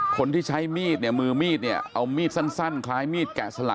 คนที่ใช้มีดมือมีด